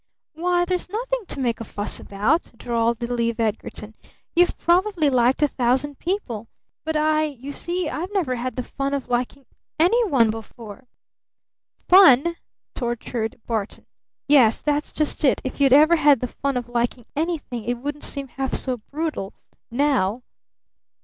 "Why, there's nothing to make a fuss about," drawled little Eve Edgarton. "You've probably liked a thousand people, but I you see? I've never had the fun of liking any one before!" "Fun?" tortured Barton. "Yes, that's just it! If you'd ever had the fun of liking anything it wouldn't seem half so brutal now!"